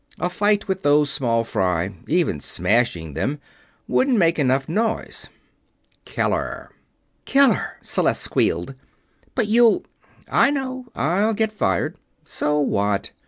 A fight with those small fry even smashing them wouldn't make enough noise. Keller." "Keller!" Celeste squealed. "But you'll...." "I know I'll get fired. So what?